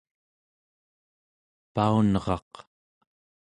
paunraq